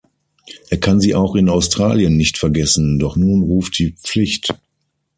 Er kann sie auch in Australien nicht vergessen, doch nun ruft die Pflicht.